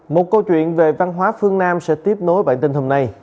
một câu chuyện về văn hóa phương nam sẽ tiếp nối bản tin hôm nay